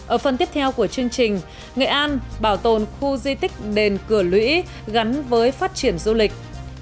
ở phần tiếp theo của chương trình nghệ an bảo tồn khu di tích đền cửa lũy gắn với phát triển du lịch